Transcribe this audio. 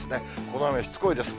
この雨、しつこいです。